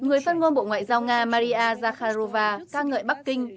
người phát ngôn bộ ngoại giao nga maria zakharova ca ngợi bắc kinh